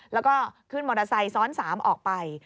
แล้วก็ขึ้นมอเตอร์ไซค์ซ้อน๓ออกไป